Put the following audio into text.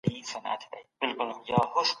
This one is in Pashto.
هغه سړی پر وخت پوه سو او ځان يې بدل کړی.